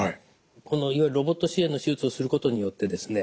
このロボット支援の手術をすることによってですね